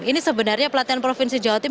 ini sebenarnya pelatihan provinsi jawa timur